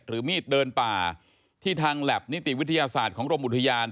มีดเดินป่าที่ทางแล็บนิติวิทยาศาสตร์ของกรมอุทยาน